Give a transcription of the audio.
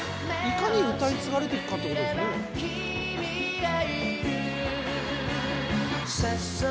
いかに歌い継がれてるかってことでしょうね。